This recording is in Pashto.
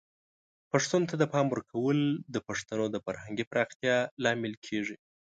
پښتو ته د پام ورکول د پښتنو د فرهنګي پراختیا لامل کیږي.